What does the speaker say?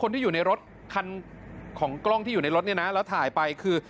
ที่อยู่ในรถของกล้องที่อยู่ในรถเนี่ยละถ่ายไปกี่คือ